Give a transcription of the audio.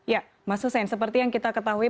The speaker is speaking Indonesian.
ya mas hussein seperti yang kita ketahui